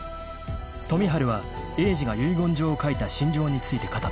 ［富治は栄治が遺言状を書いた心情について語った］